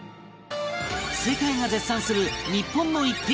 世界が絶賛する日本の逸品